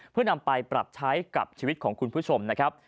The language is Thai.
เพื่อนำไปปรับใช้กับชีวิตของคุณผู้ชมนะครับ